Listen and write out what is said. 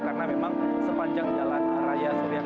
karena memang sepanjang jalan raya siringwangi